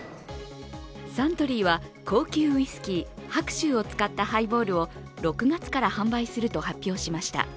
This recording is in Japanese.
サントリーは高級ウイスキー白州を使ったハイボールを６月から販売すると発表しました。